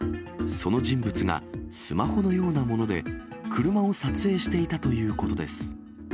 その人物がスマホのようなもので車を撮影していたということです。